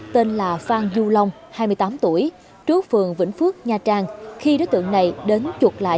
tên là phan du long hai mươi tám tuổi trú phường vĩnh phước nha trang khi đối tượng này đến chuột lại